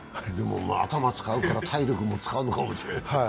頭使うから体力も使うのかもしれない。